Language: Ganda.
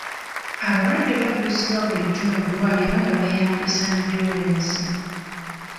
Abalwadde baddusibwa bulijjo mu ddwaliro nga beeyambisa ambyulensi.